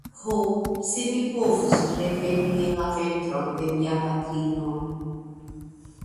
Ho, se mi povus reveni en la ventron de mia patrino!